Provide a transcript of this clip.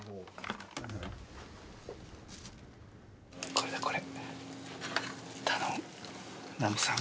これだこれ。